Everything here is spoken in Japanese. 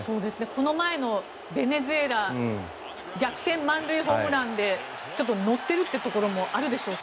この前のベネズエラ逆転満塁ホームランで乗ってるというところもあるでしょうか。